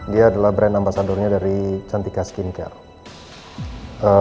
dia adalah brand ambasadornya dari cantika skincare